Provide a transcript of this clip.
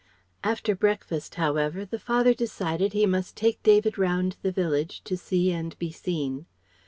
After breakfast, however, the father decided he must take David round the village, to see and be seen.